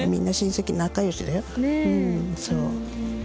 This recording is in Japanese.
うんそう。